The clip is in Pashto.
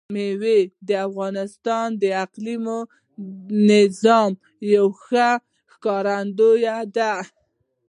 مېوې د افغانستان د اقلیمي نظام یوه ښه ښکارندوی ده.